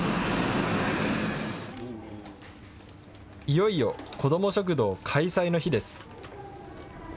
いよいよ、こども食堂開催の日です。